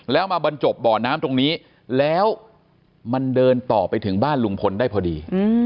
แล้วมาบรรจบบ่อน้ำตรงนี้แล้วมันเดินต่อไปถึงบ้านลุงพลได้พอดี